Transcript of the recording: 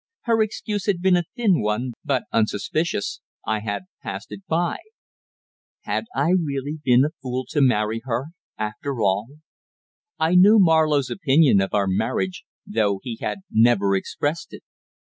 Her excuse had been a thin one, but, unsuspicious, I had passed it by. Had I really been a fool to marry her, after all? I knew Marlowe's opinion of our marriage, though he had never expressed it.